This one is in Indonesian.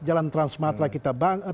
jalan trans sumatera kita bangun